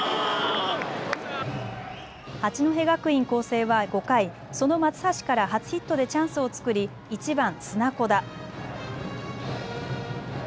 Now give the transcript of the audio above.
八戸学院光星は５回、その松橋から初ヒットでチャンスを作り１番・砂子田。